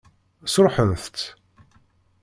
Sṛuḥent-t?